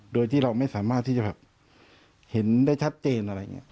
โดยที่เราไม่สามารถที่จะแบบเห็นได้ชัดเจนอะไรอย่างนี้